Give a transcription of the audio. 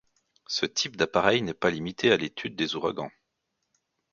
Ce type d'appareil n’est pas limité à l’étude des ouragans.